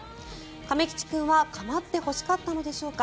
亀吉君は構ってほしかったのでしょうか。